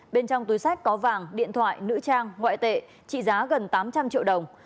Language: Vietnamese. bên trong túi sách có vàng điện thoại nữ trang ngoại tệ trị giá gần tám trăm linh triệu đồng